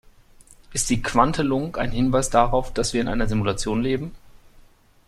Ist die Quantelung ein Hinweis darauf, dass wir in einer Simulation leben?